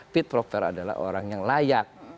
fit proper adalah orang yang layak